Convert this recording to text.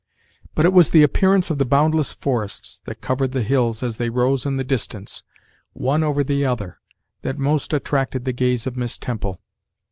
But it was the appearance of the boundless forests that covered the hills as they rose in the distance, one over the other, that most attracted the gaze of Miss Temple.